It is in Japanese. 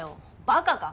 バカか？